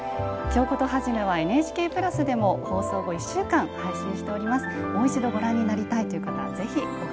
「京コトはじめ」はＮＨＫプラスでも放送後１週間配信しています。